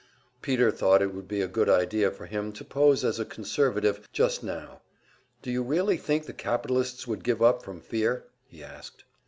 Peter thought it would be a good idea for him to pose as a conservative just now. "Do you really think the capitalists would give up from fear?" he asked.